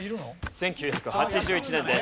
１９８１年です。